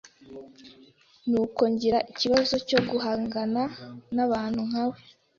ni uko ngira ikibazo cyo guhangana n'abantu nka we."